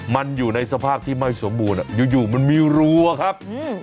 มันอยู่ในสภาพที่ไม่สมบูรณ์อยู่มันมีรัวครับ